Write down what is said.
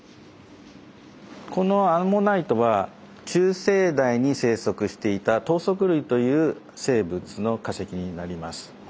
このアンモナイトは中生代に生息していた頭足類という生物の化石になります。